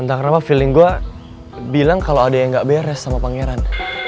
entah kenapa feeling gue bilang kalau ada yang gak beres sama pangeran